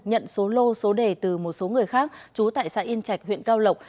nhận số lô số đề từ một số người khác trú tại xã yên chạch huyện cao lộc